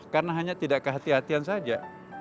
karena hanya tidak kehatian kehatian saja